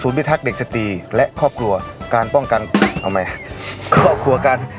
พิทักษ์เด็กสตรีและครอบครัวการป้องกันเอาใหม่ครอบครัวกัน